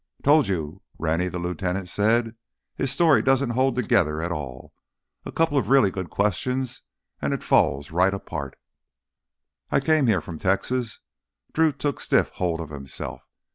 "Told you, Rennie," the lieutenant said, "his story doesn't hold together at all. A couple of really good questions and it falls right apart." "I came here from Texas." Drew took stiff hold of himself.